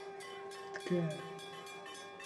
تکایە.